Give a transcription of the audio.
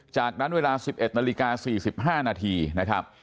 จากนั้นเวลา๑๑นาฬิกา๔๕นาทีนะครับ